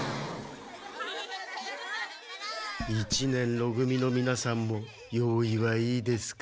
一年ろ組のみなさんも用意はいいですか？